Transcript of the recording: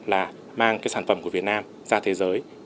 là mang cái sản phẩm của việt nam ra thế giới